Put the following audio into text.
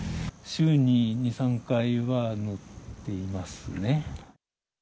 週に２、３回は乗っていますね。